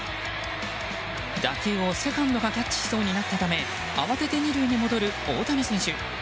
打球をセカンドがキャッチしそうになったため慌てて２塁へ戻る大谷選手。